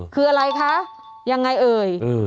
คืออะไรคะยังไงเอ่ย